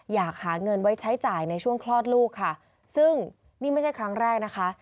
อยากหาเงินไว้ใช้จ่ายในช่วงคลอดลูกค่ะซึ่งนี่ไม่ใช่ครั้งแรกนะคะ